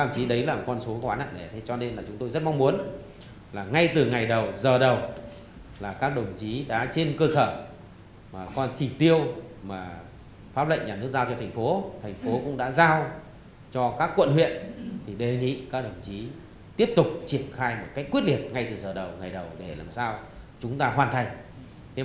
các đồng chí tiếp tục triển khai một cách quyết liệt ngay từ giờ đầu ngày đầu để làm sao chúng ta hoàn thành